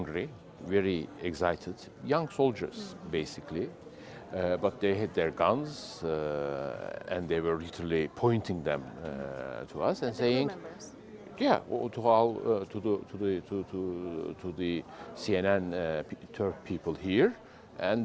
dan mereka ingin kita berhenti mengundurkan dan meninggalkan bangunan